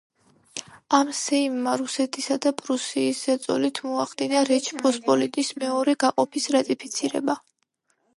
ამ სეიმმა, რუსეთისა და პრუსიის ზეწოლით, მოახდინა რეჩ პოსპოლიტის მეორე გაყოფის რატიფიცირება.